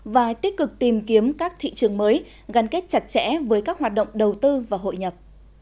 và tích cực tìm kiếm các thị trường mới gắn kết chặt chẽ với các hoạt động đầu tư và hội nhập